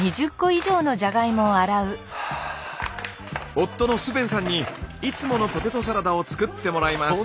夫のスヴェンさんにいつものポテトサラダを作ってもらいます。